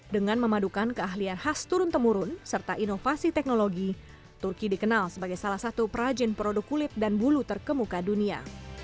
dengan memadukan keahlian khas turun temurun serta inovasi teknologi turki dikenal sebagai salah satu perajin produk kulit dan bulu terkemuka dunia